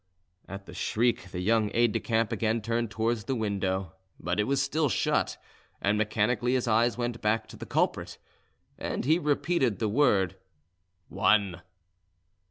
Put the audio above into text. At the shriek, the young aide de camp again turned towards the window; but it was still shut, and mechanically his eyes went back to the culprit, and he repeated the word "One."